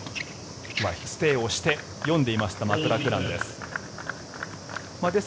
ステイをして読んでいましたマクラクランです。